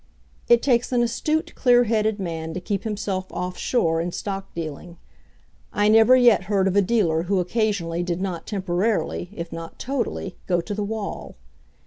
It takes an astute, clear headed man to keep himself off shore in stock dealing. I never yet heard of a dealer who occasionally did not temporarily, if not totally, go to the wall.